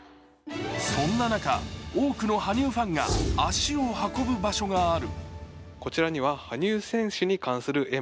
そんな中、多くの羽生ファンが足を運ぶ場所がある。